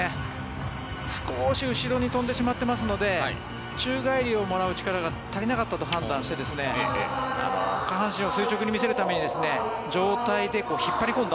少し後ろに飛んでしまっていますので宙返りをもらう力が強かったと判断して下半身を垂直に見せるために上体で引っ張り込んだ